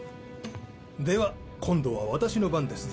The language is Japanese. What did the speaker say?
では今度は私の番ですぞ。